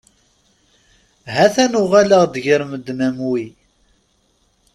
Ha-t-an uɣaleɣ-d gar medden am wi.